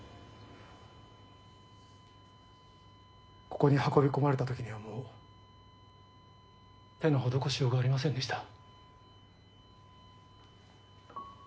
ここに運び込まれた時にはもう手の施しようがありませんでした。